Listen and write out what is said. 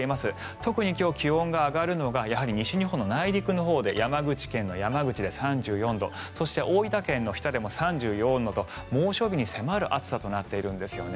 特に気温が上がるのは西日本の内陸のほうで山口県の山口で３４度そして大分県の日田でも３５度猛暑日に迫る暑さとなっているんですね。